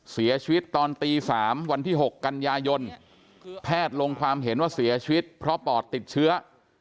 เสียชีวิตตอนตี๓วันที่๖กันยายนแพทย์ลงความเห็นว่าเสียชีวิตเพราะปอดติดเชื้อ